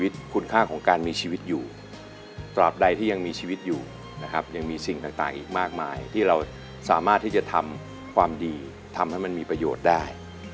ที่จะทำความดีทำให้มันมีประโยชน์ได้